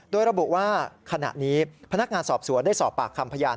โดยระบุว่าขณะนี้พนักงานสอบสวนได้สอบปากคำพยาน